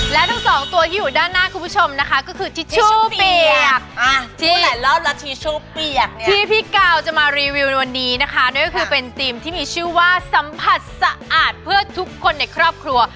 แล้วแล้วทิชชู่เปียกเนี่ยที่พี่ก้าวจะมารีวิวในวันนี้นะคะนี่ก็คือเป็นธีมที่มีชื่อว่าสัมผัสสะอาดเพื่อทุกคนในครอบครัว